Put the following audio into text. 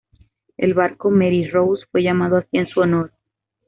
El barco Mary Rose fue llamado así en su honor.